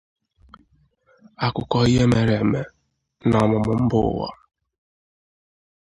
Akụkọ ihe mere eme na ọmụmụ mba ụwa.